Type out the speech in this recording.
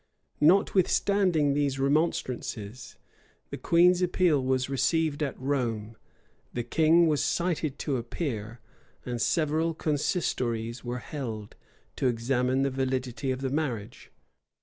Notwithstanding these remonstrances, the queen's appeal was received at Rome; the king was cited to appear; and several consistories were held, to examine the validity of their marriage.